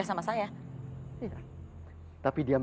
jangan marah gitu dong